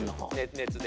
熱で。